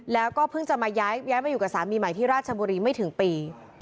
แล้วก็เพิ่งจะมาย้ายมาอยู่กับสามีใหม่ที่ราชบุรีไม่ถึงปี